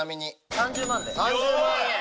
３０万で。